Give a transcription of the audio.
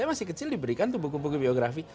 saya masih kecil diberikan buku buku biografi